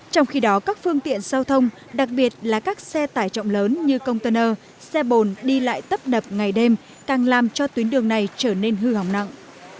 trong khi đó các phương tiện giao thông đặc biệt là các xe tải trọng lớn như công tên ơ xe bồn đi lại tấp đập ngày đêm càng làm cho tuyến đường này trở nên hư hỏng nặng